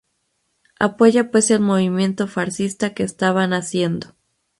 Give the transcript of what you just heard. Apoya pues el movimiento fascista que estaba naciendo.